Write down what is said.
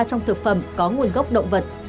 trong thực phẩm có nguồn gốc động vật